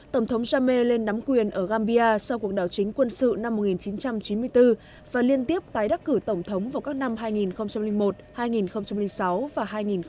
tổng thống jame lên nắm quyền ở gambia sau cuộc đảo chính quân sự năm một nghìn chín trăm chín mươi bốn và liên tiếp tái đắc cử tổng thống vào các năm hai nghìn một hai nghìn sáu và hai nghìn một mươi bốn